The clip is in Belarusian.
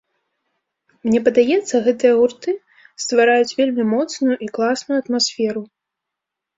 Мне падаецца, гэтыя гурты ствараюць вельмі моцную і класную атмасферу.